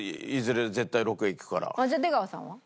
じゃあ出川さんは？